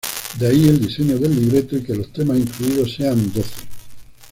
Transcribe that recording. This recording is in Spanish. De ahí el diseño del libreto y que los temas incluidos sean doce.